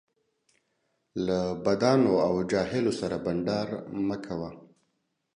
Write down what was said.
له بدانو او جاهلو سره بنډار مه کوه